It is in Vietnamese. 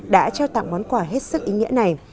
đã trao tặng món quà hết sức ý nghĩa này